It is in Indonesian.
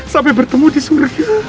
sampai bertemu di surga